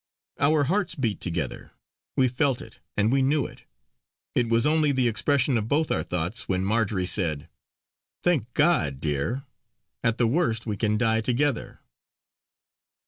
Our hearts beat together. We felt it, and we knew it; it was only the expression of both our thoughts when Marjory said: "Thank God! dear, at the worst we can die together."